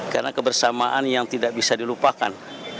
karena kebersamaan yang tidak bisa dilupakan